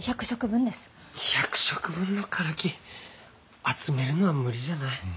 １００食分のカラキ集めるのは無理じゃない？